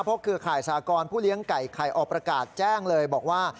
เพราะเครือข่ายสากรผู้เลี้ยงไก่ไข่ออกประกาศแจ้งเลยบอกว่า